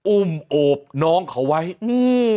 อุ้มโอบน้องเขาไว้นี่